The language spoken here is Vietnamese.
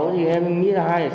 thì em nghĩ là hai sáu